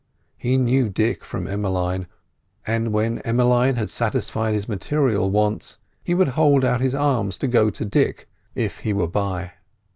He knew Dick from Emmeline; and when Emmeline had satisfied his material wants, he would hold out his arms to go to Dick if he were by.